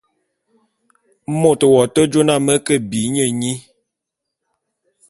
Mot w'ake jô na me ke bi nye nyi.